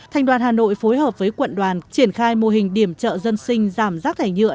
thành đoàn hà nội phối hợp với quận đoàn triển khai mô hình điểm chợ dân sinh giảm rác thải nhựa